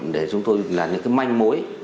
để chúng tôi là những cái manh mối